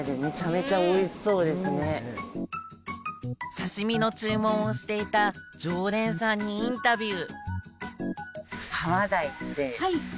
刺身の注文をしていた常連さんにインタビュー！